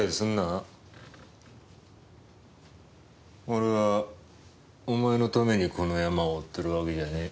俺はお前のためにこのヤマを追ってるわけじゃない。